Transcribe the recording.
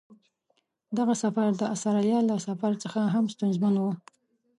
دغه سفر د استرالیا له سفر څخه هم ستونزمن و.